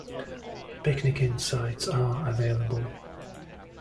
Picnicking sites are available.